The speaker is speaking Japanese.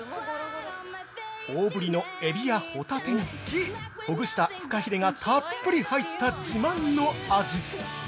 大ぶりのエビやホタテに、ほぐしたフカヒレがたっぷり入った自慢の味。